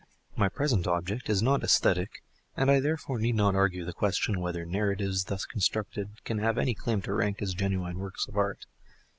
My present object is not aesthetic, and I therefore need not argue the question whether narratives thus constructed can have any claim to rank as genuine works of art.